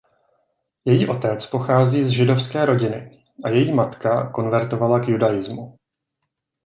Její otec pochází z židovské rodiny a její matka konvertovala k Judaismu.